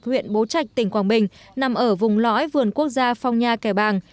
huyện bố trạch tỉnh quảng bình nằm ở vùng lõi vườn quốc gia phong nha kẻ bàng